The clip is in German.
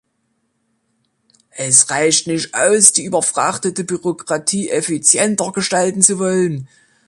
Es reicht nicht aus, die überfrachtete Bürokratie effizienter gestalten zu wollen.